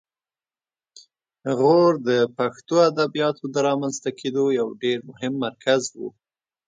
غور د پښتو ادبیاتو د رامنځته کیدو یو ډېر مهم مرکز و